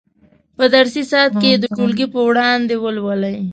په درسي ساعت کې یې د ټولګي په وړاندې ولولئ.